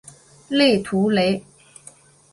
勒图雷。